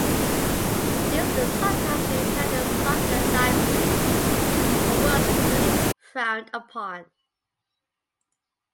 These could sometimes be found in software libraries, but was generally frowned upon.